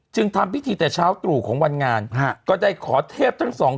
ทำพิธีแต่เช้าตรู่ของวันงานฮะก็ได้ขอเทพทั้งสอง